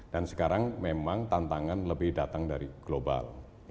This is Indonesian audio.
dan sekarang memang tantangan lebih datang dari global